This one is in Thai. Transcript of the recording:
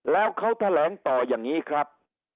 แล้วเขาแถลงต่ออย่างนี้ครับ